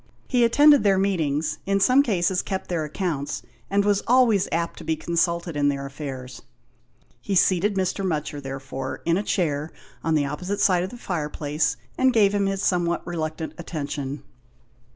He attended their meetings, in some cases kept their accounts, and was always apt to be consulted in their affairs. He seated Mr. Mutcher, therefore, in a chair on the opposite side of the fireplace, and gave him his somewhat reluctant attention.